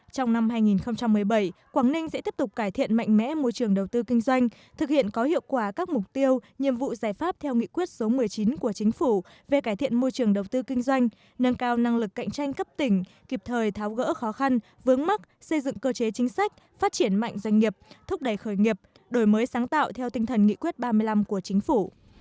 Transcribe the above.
trong năm hai nghìn một mươi bảy quảng ninh sẽ tiếp tục cải thiện mạnh mẽ môi trường đầu tư kinh doanh thực hiện có hiệu quả các mục tiêu nhiệm vụ giải pháp theo nghị quyết số một mươi chín của chính phủ về cải thiện môi trường đầu tư kinh doanh nâng cao năng lực cạnh tranh cấp tỉnh kịp thời tháo gỡ khó khăn vướng mắc xây dựng cơ chế chính sách phát triển mạnh doanh nghiệp thúc đẩy khởi nghiệp đổi mới sáng tạo theo tinh thần nghị quyết ba mươi năm của chính phủ